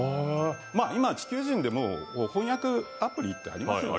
今、地球人でも翻訳アプリってありますよね。